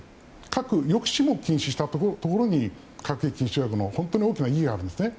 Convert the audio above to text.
核抑止も禁止したところに核兵器禁止条約の大きな意義があるんですね。